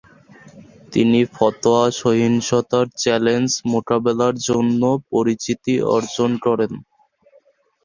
তিনি ফতোয়া সহিংসতার চ্যালেঞ্জ মোকাবেলার জন্যে পরিচিতি অর্জন করেন।